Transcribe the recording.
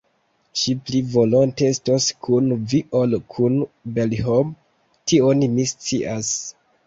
Ŝi pli volonte estos kun Vi ol kun Belhom, tion mi scias.